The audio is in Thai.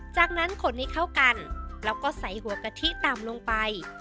จากนั้นขนให้เข้ากันแล้วก็ใส่หัวกะทิต่ำลงไป